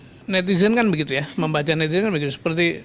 kalau mendengar netizen kan begitu ya membaca netizen kan begitu